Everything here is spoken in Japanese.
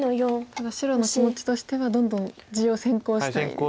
ただ白の気持ちとしてはどんどん地を先行したいですよね。